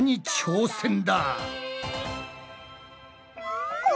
うん？